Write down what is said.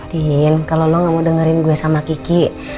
dihing kalau lo gak mau dengerin gue sama kiki